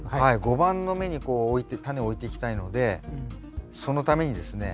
碁盤の目にこう置いてタネを置いていきたいのでそのためにですね